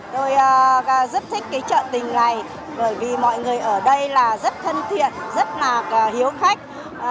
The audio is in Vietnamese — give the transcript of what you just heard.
tôi rất thích cái trợ tình này bởi vì mọi người ở đây là rất thân thiện rất là hiếu khách